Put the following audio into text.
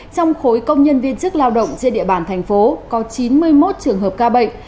trong khối công nhân viên chức lao động trên địa bàn thành phố có chín mươi một trường hợp ca bệnh